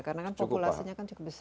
karena kan populasinya cukup besar